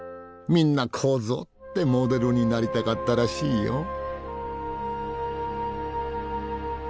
みんなこぞってモデルになりたがったらしいよ。